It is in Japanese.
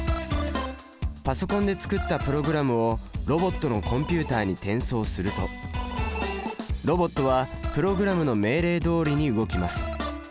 パソコンで作ったプログラムをロボットのコンピュータに転送するとロボットはプログラムの命令どおりに動きます。